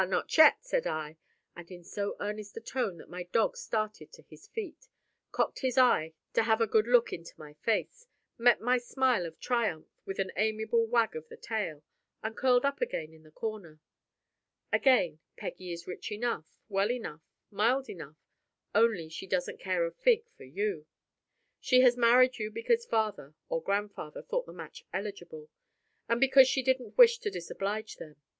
not yet!" said I, and in so earnest a tone that my dog started to his feet, cocked his eye to have a good look into my face, met my smile of triumph with an amiable wag of the tail, and curled up again in the corner. Again, Peggy is rich enough, well enough, mild enough, only she doesn't care a fig for you. She has married you because father or grandfather thought the match eligible, and because she didn't wish to disoblige them.